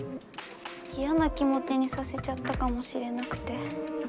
いやな気もちにさせちゃったかもしれなくて。